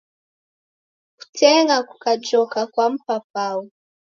Kuteng'a kukajoka kwa mpapau